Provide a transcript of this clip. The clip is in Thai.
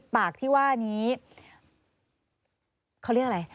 ปากที่ว่านี้เขาเรียกอะไร